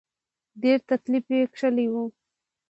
ډېر تکليف یې کشلی و.